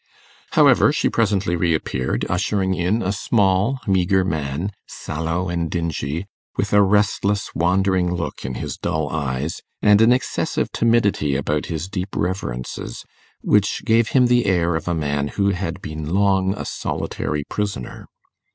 However she presently reappeared, ushering in a small meagre man, sallow and dingy, with a restless wandering look in his dull eyes, and an excessive timidity about his deep reverences, which gave him the air of a man who had been long a solitary prisoner.